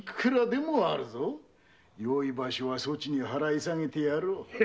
よい場所はそちに払い下げてやろう。